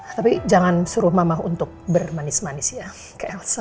tapi jangan suruh mamah untuk bermanis manis ya ke elsa